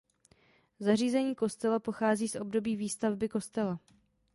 Zařízení kostela pochází z období výstavby kostela.